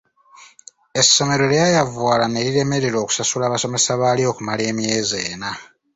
Essomero lyayavuwala ne liremererwa okusasula abasomesa baalyo okumala emyezi ena.